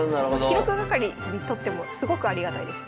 記録係にとってもすごくありがたいです。